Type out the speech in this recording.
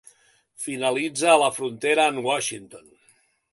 Finalitza a la frontera amb Washington.